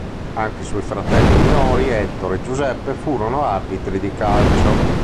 Anche i suoi fratelli minori Ettore e Giuseppe furono arbitri di calcio.